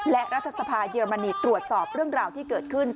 และรัฐสภาเยอรมนีตรวจสอบเรื่องราวที่เกิดขึ้น